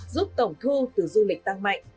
giúp tổng thu từ du lịch tăng mạnh